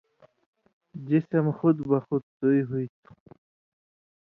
جسم خُود بخُود تُوی ہُوی تُھو۔